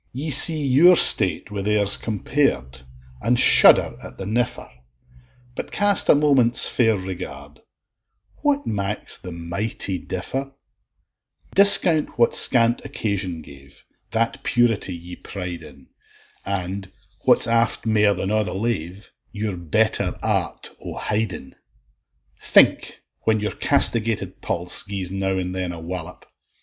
Ye see your state wi' theirs compared, And shudder at the niffer; But cast a moment's fair regard, What maks the mighty differ; Discount what scant occasion gave, That purity ye pride in; And (what's aft mair than a' the lave), Your better art o' hidin. Think, when your castigated pulse Gies now and then a wallop!